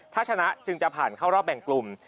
ถ้าชนะจึงจะผ่านเข้ารอบแบ่งกลุ่ม